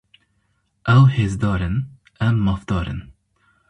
Ew hêzdar in, em mafdar in.